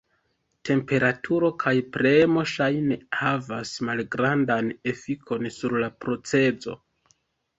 Temperaturo kaj premo ŝajne havas malgrandan efikon sur la procezo.